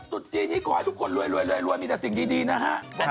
จุดจีนนี้ขอให้ทุกคนรวยมีแต่สิ่งดีนะฮะ